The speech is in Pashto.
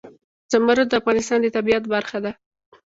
زمرد د افغانستان د طبیعت برخه ده.